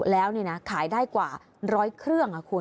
แล้วนี่นะขายได้กว่า๑๐๐เครื่องคุณ